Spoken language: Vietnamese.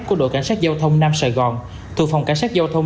của đội cảnh sát giao thông nam sài gòn thuộc phòng cảnh sát giao thông